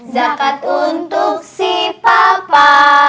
zakat untuk si papa